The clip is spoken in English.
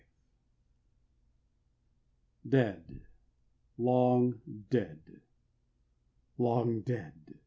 V. 1. Dead, long dead, Long dead!